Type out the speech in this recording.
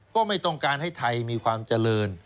ไม่ต้องการให้ไทยมีความเจริญ